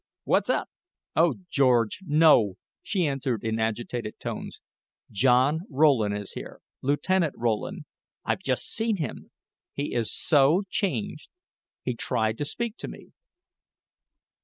What's up?" "Oh, George no," she answered in agitated tones. "John Rowland is here Lieutenant Rowland. I've just seen him he is so changed he tried to speak to me."